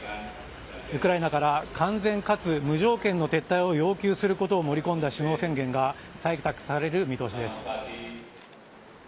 ウクライナから完全かつ無条件の撤退を要求すること盛り込んだ首脳宣言が採択される見通しです。